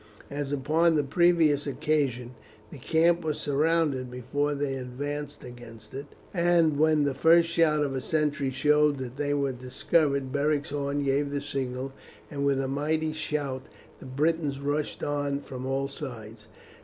As upon the previous occasion the camp was surrounded before they advanced against it, and when the first shout of a sentry showed that they were discovered Beric's horn gave the signal, and with a mighty shout the Britons rushed on from all sides.